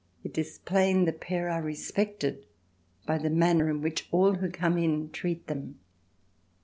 It is plain the pair are respected by the manner in which all who come in treat them.